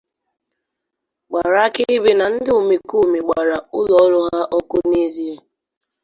gbàrà akaebe na ndị omekoome gbara ụlọọrụ ha ọkụ n'ezie